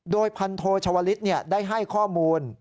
โดยพันโทชวลิศได้ให้ข้อมูล